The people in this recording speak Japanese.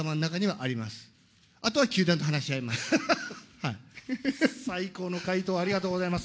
あとは球団と話し合います。